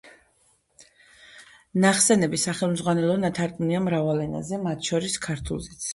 ნახსენები სახელმძღვანელო ნათარგმნია მრავალ ენაზე, მათ შორის ქართულზეც.